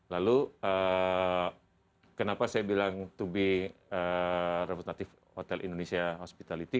lalu kenapa saya bilang to be reformative hotel indonesia hospitality